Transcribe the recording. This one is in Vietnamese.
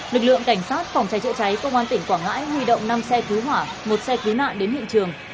lực lượng cảnh sát phòng cháy chữa cháy công an tỉnh quảng ngãi huy động năm xe cứu hỏa một xe cứu nạn đến hiện trường